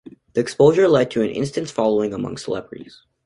The exposure led to an instant following among celebrities.